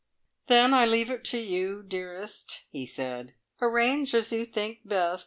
"Then I leave it to you, dearest," he said. "Arrange as you think best.